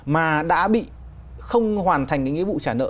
mà đã bị không hoàn thành cái nghĩa vụ trả nợ